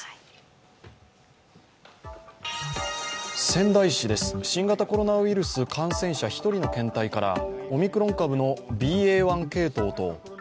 仙台市です、新型コロナウイルス感染者１人の検体からオミクロン株のＢＡ．１系統とＢＡ．